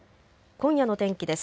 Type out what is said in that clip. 今夜の天気です。